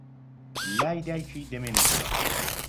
لای دایکی دەمێنێتەوە.